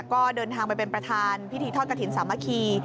ก็เดินทางไปเป็นประธานพิธีทอดกระถิ่นสามัคคี